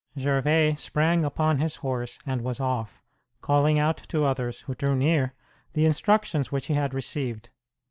Gervais sprang upon his horse and was off, calling out to others, who drew near, the instructions which he had received.